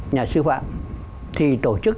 nhà sư phạm thì tổ chức